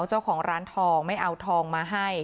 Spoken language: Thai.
เจ้าของร้านทองไม่เอาทองมาให้